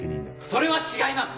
それは違います！